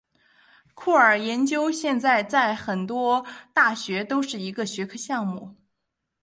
酷儿研究现在在很多大学都是一个学科项目。